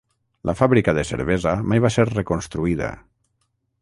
La fàbrica de cervesa mai va ser reconstruïda.